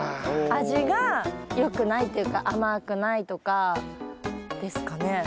味がよくないっていうか甘くないとかですかね？